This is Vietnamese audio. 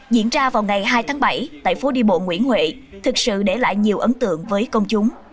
diễn ra vào ngày hai tháng bảy tại phố đi bộ nguyễn huệ thực sự để lại nhiều ấn tượng với công chúng